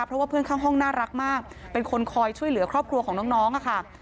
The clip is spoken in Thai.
เพราะว่าเพื่อนข้างห้องน่ารักมากเป็นคนคอยช่วยเหลือครอบครัวของน้องอะค่ะ